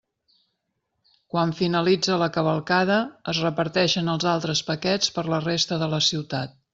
Quan finalitza la cavalcada es reparteixen els altres paquets per la resta de la ciutat.